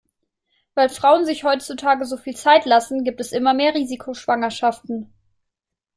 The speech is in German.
Weil Frauen sich heutzutage so viel Zeit lassen, gibt es immer mehr Risikoschwangerschaften.